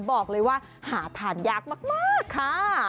บอกเลยว่าหาทานยากมากค่ะ